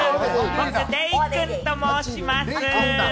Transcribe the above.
僕、デイくんと申します。